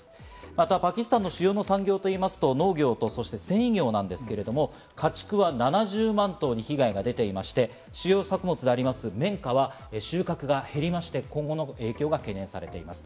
またパキスタンの主要産業と言いますと、農業と繊維業なんですけれども、家畜は７０万頭に被害が出ていまして、主要作物であります綿花は収穫が減りまして、今後の影響が懸念されています。